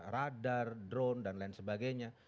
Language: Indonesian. radar drone dan lain sebagainya